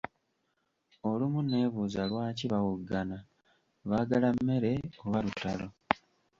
Olumu nneebuuza lwaki bawoggana, baagala mmere oba lutalo?